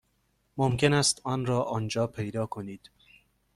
ممکن است آن را آنجا پیدا کنید.